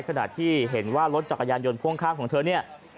ขณะที่เห็นว่ารถจักรยานยนต์พ่วงข้างของเธอเนี่ย